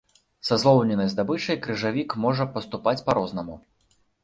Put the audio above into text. Са злоўленай здабычай крыжавік можа паступаць па-рознаму.